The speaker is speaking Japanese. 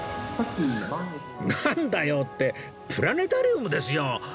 なんだよってプラネタリウムですよ！